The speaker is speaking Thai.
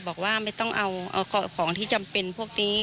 บอกว่าไม่ต้องเอาของที่จำเป็นพวกนี้